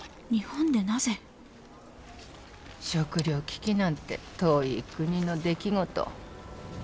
食料危機なんて遠い国の出来事。